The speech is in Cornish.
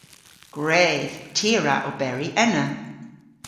Gwredh. Ty a wra oberi ena.